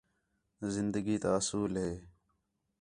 زندگی تا اصول ہِے